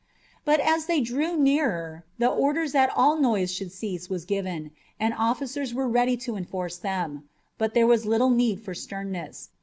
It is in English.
But as they drew nearer, orders that all noise should cease were given, and officers were ready to enforce them. But there was little need for sternness.